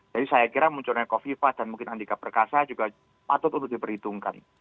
jadi saya kira munculnya kofifah dan mungkin andika perkasa juga patut untuk diperhitungkan